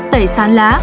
tẩy sán lá sán dây